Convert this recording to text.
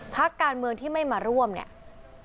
พักการเมืองที่ไม่มาร่วมเนี่ย